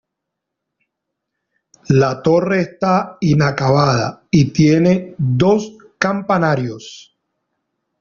La torre está inacabada y tiene dos campanarios.